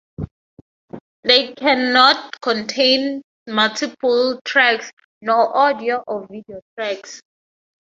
They can not contain multiple tracks, nor audio or video tracks.